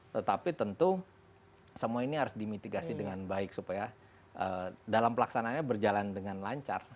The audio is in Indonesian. tetapi tentu semua ini harus dimitigasi dengan baik supaya dalam pelaksanaannya berjalan dengan lancar